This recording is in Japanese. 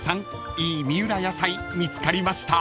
いい三浦野菜見つかりました？］